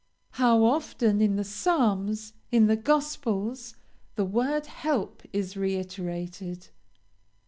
How often, in the Psalms, in the Gospels, the word 'Help' is reiterated!